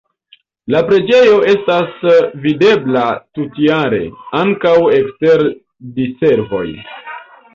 La preĝejo estas vizitebla tutjare, ankaŭ ekster diservoj.